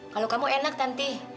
kalau kamu enak nanti